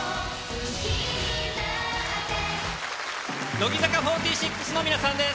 乃木坂４６の皆さんです。